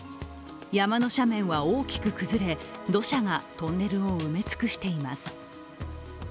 山の斜面は大きく崩れ土砂がトンネルを埋め尽くしています。